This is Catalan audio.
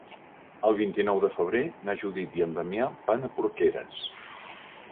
El vint-i-nou de febrer na Judit i en Damià van a Porqueres.